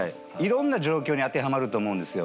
色んな状況に当てはまると思うんですよ。